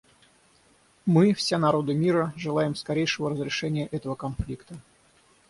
Мы, все народы мира, желаем скорейшего разрешения этого конфликта.